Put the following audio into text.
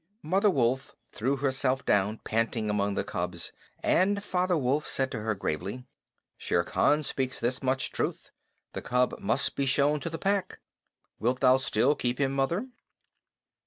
Mother Wolf threw herself down panting among the cubs, and Father Wolf said to her gravely: "Shere Khan speaks this much truth. The cub must be shown to the Pack. Wilt thou still keep him, Mother?"